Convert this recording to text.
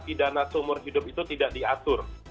pidana seumur hidup itu tidak diatur